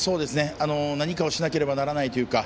何かをしなければならないというか。